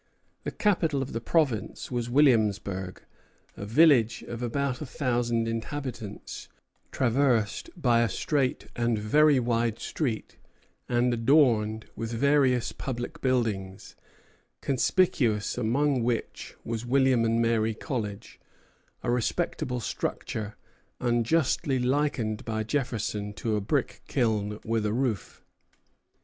The capital of the province was Williamsburg, a village of about a thousand inhabitants, traversed by a straight and very wide street, and adorned with various public buildings, conspicuous among which was William and Mary College, a respectable structure, unjustly likened by Jefferson to a brick kiln with a roof.